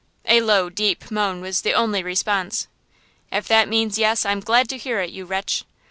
A low, deep moan was the only response. "If that means yes, I'm glad to hear it, you wretch.